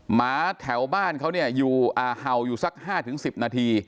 หมาแถวบ้านเขาเนี่ยอยู่เห่าอยู่สัก๕๑๐นาที